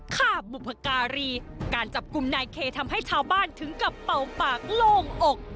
ฆ่าบุพการีการจับกลุ่มนายเคทำให้ชาวบ้านถึงกับเป่าปากโล่งอก